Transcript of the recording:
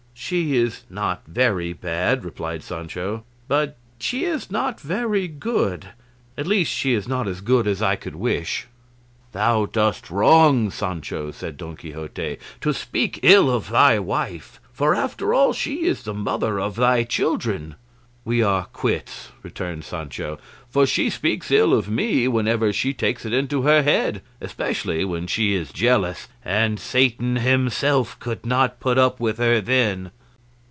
"She is not very bad," replied Sancho; "but she is not very good; at least she is not as good as I could wish." "Thou dost wrong, Sancho," said Don Quixote, "to speak ill of thy wife; for after all she is the mother of thy children." "We are quits," returned Sancho; "for she speaks ill of me whenever she takes it into her head, especially when she is jealous; and Satan himself could not put up with her then."